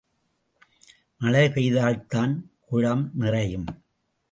மழை பெய்தால்தான் குளம் நிறையும்.